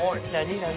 何？